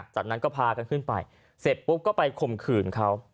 จากนั้นก็พากันขึ้นไปเสร็จปุ๊บก็ไปข่มขืนเขา